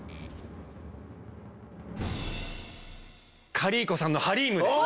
カリー子さんのハリームです。